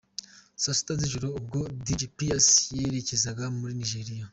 Saa sita z'ijoro ubwo Dj Pius yerekezaga muri Nigeria.